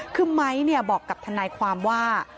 คือไม้บอกกับทนายความว่า